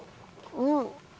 うん！